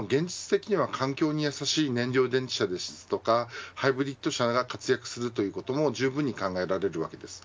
でも現実的には環境に優しい燃料電池車であるとかハイブリッド車が活躍することもじゅうぶんに考えられます。